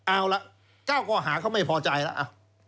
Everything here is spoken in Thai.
อ้าวละ๙ข้อหาเค้ามิพอใจแล้ว